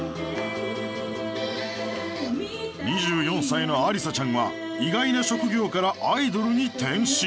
２４歳の Ａｌｙｓｓａ ちゃんは意外な職業からアイドルに転身